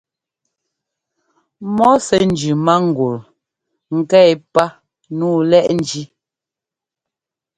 Mɔ́ sɛ́ njʉ mángul nká yɛ́pá nǔu lɛ́ʼ njí.